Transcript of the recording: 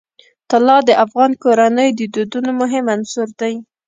طلا د افغان کورنیو د دودونو مهم عنصر دی.